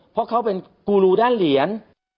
เพราะเขาเป็นกูรูด้านเหรียญ